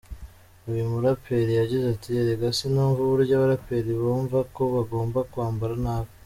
Uyu muraperi yagize ati: “Erega si numva uburyo abaraperi bumva ko bagomba kwambara nabi.